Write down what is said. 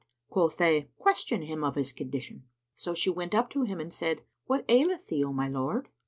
Quoth they, "Question him of his condition." So she went up to him and said, "What aileth thee, O my lord?"